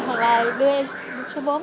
hoặc là đưa em một số vốn